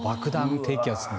低気圧。